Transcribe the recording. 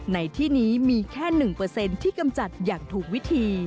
ในที่นี้มีแค่๑ที่กำจัดอย่างถูกวิธี